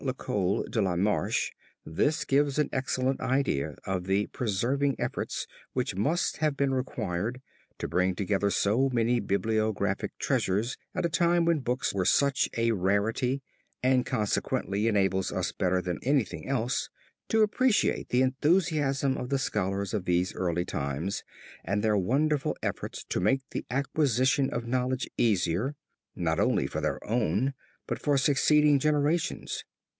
Lecoy de la Marche, this gives an excellent idea of the persevering efforts which must have been required, to bring together so many bibliographic treasures at a time when books were such a rarity, and consequently enables us better almost than anything else, to appreciate the enthusiasm of the scholars of these early times and their wonderful efforts to make the acquisition of knowledge easier, not only for their own but for succeeding generations.